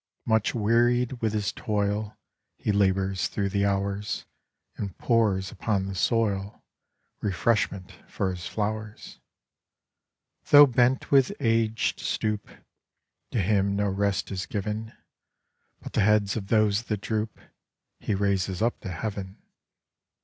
Much wearied with his toil He labours thro' the hours, And pours upon the soil Refreshment for his flowers. 'Tho' bent with aged stoop, To him no rest is given, But the heads of those that droop He raises up to heaven.